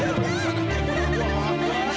aku capek mau pulang